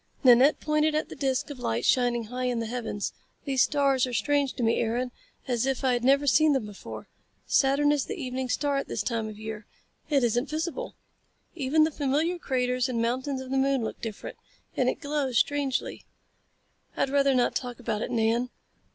Nanette pointed at the disc of light shining high in the heavens. "These stars are as strange to me, Aaron, as if I had never seen them before. Saturn is the evening star at this time of year. It isn't visible. Even the familiar craters and mountains of the moon look different. And it glows strangely." "I'd rather not talk about it, Nan."